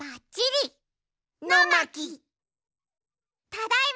ただいま！